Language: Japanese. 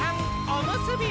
おむすび！